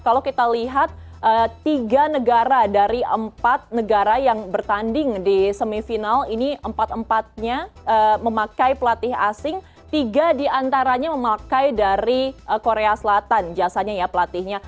kalau kita lihat tiga negara dari empat negara yang bertanding di semifinal ini empat empatnya memakai pelatih asing tiga diantaranya memakai dari korea selatan jasanya ya pelatihnya